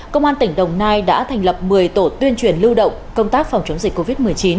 công an tỉnh đồng nai đã thành lập một mươi tổ tuyên truyền lưu động công tác phòng chống dịch covid một mươi chín